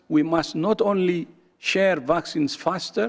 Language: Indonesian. kita tidak hanya harus berbagi vaksin lebih cepat